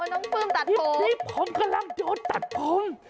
หนึ่งผมกำลังโดนตัดผมอ๋อน้องปลื้มตัดผม